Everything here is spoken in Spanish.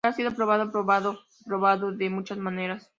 He sido probado, probado y probado de muchas maneras.